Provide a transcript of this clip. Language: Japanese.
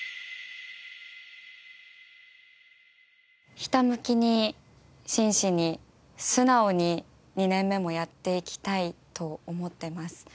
ひたむきに真摯に素直に２年目もやっていきたいと思ってます。